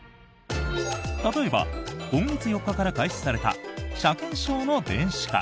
例えば、今月４日から開始された車検証の電子化。